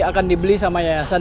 akan dibeli sama yayasan